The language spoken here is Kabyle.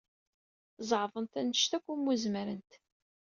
Zeɛḍent anect akk umi zemrent.